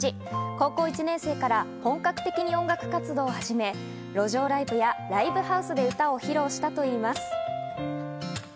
高校１年生から本格的に音楽活動を始め、路上ライブやライブハウスで歌を披露してきたといいます。